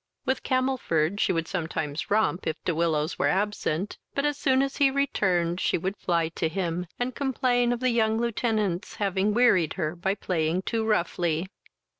With Camelford she would sometimes romp, if De Willows were absent, but, as soon as he returned, she would fly to him, and complain of the young lieutenant's having wearied her by playing too roughly.